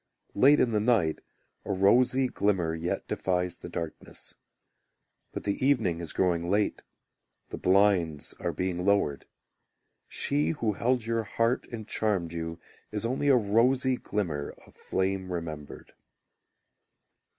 Late in the night A rosy glimmer yet defies the darkness. But the evening is growing late, The blinds are being lowered; She who held your heart and charmed you Is only a rosy glimmer of flame remembered.